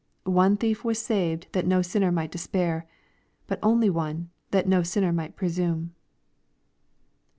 One thief was saved that no sinner might despair, but only one, that no sinner might presume.